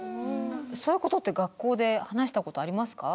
そういうことって学校で話したことありますか？